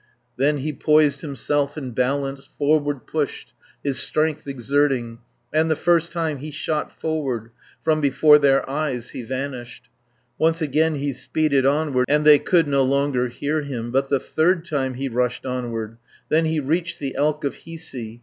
210 Then he poised himself and balanced, Forward pushed, his strength exerting, And the first time he shot forward, From before their eyes he vanished. Once again he speeded onward, And they could no longer hear him, But the third time he rushed onward, Then he reached the elk of Hiisi.